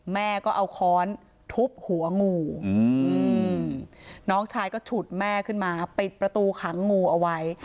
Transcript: แม่ก็เอาค้อนทุบหัวงูน้องชายก็ฉุดแม่ขึ้นมาปิดประตูขังงูเอาไว้